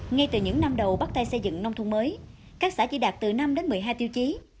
ngay từ những năm đầu bắt tay xây dựng nông thôn mới các xã chỉ đạt từ năm một mươi hai tiêu chí